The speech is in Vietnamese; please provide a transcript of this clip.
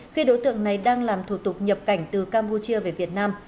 khi đối tượng này đang làm thủ tục nhập cảnh từ campuchia về việt nam